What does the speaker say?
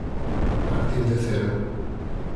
Partir de cero